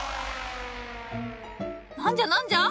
何じゃ？